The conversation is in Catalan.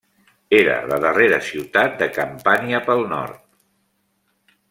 Era la darrera ciutat de Campània pel nord.